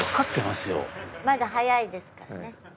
まだ早いですからね。